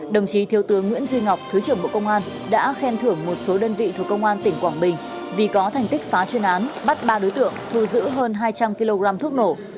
đồng chí thiếu tướng nguyễn duy ngọc thứ trưởng bộ công an đã khen thưởng một số đơn vị thuộc công an tỉnh quảng bình vì có thành tích phá chuyên án bắt ba đối tượng thu giữ hơn hai trăm linh kg thuốc nổ